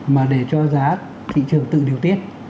mà để cho giá thị trường tự điều tiết